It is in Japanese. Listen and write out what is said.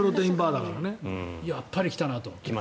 やっぱり来たなと。